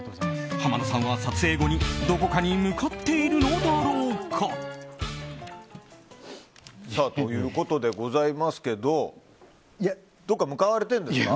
浜野さんは撮影後にどこかに向かっているのだろうか。ということでございますけどどこか向かわれているんですか？